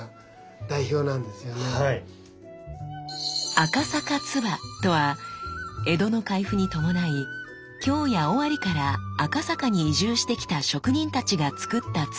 赤坂鐔とは江戸の開府に伴い京や尾張から赤坂に移住してきた職人たちがつくった鐔のこと。